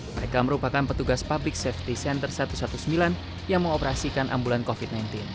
mereka merupakan petugas public safety center satu ratus sembilan belas yang mengoperasikan ambulan covid sembilan belas